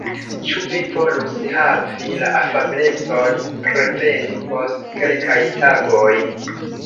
Ĉu vi volus havi la afablecon reveni post kelkaj tagoj?